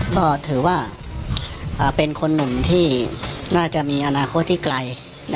ก็ถือว่าเป็นคนหนุ่มที่น่าจะมีอนาคตที่ไกล